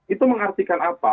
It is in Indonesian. itu mengartikan apa